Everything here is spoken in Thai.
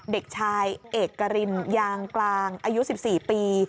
เด็กชายเอกรินยางกลางอายุ๑๔ปี